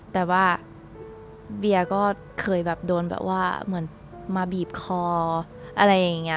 แต่ว่าเบียร์ก็เคยแบบโดนแบบว่าเหมือนมาบีบคออะไรอย่างนี้